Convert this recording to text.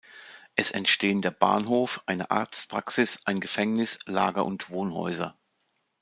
Es entstehen der Bahnhof, eine Arztpraxis, ein Gefängnis, Lager- und Wohnhäuser.